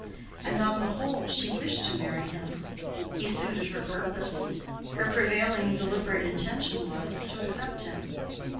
And on the whole she wished to marry him; he suited her purpose; her prevailing, deliberate intention was, to accept him.